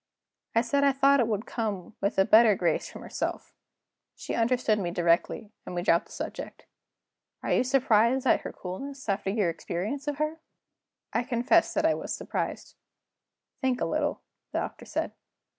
I said I thought it would come with a better grace from herself. She understood me directly; and we dropped the subject. Are you surprised at her coolness, after your experience of her?" I confessed that I was surprised. "Think a little," the Doctor said.